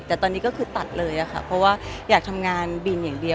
แต่ตอนนี้ก็คือตัดเลยค่ะเพราะว่าอยากทำงานบินอย่างเดียว